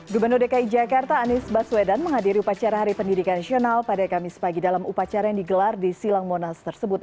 gubernur dki jakarta anies baswedan menghadiri upacara hari pendidikan nasional pada kamis pagi dalam upacara yang digelar di silang monas tersebut